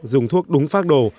dùng thuốc đúng phác đồ